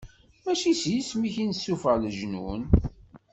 Mačči s yisem-ik i nessufuɣ leǧnun?